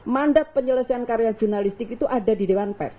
mandat penyelesaian karya jurnalistik itu ada di dewan pers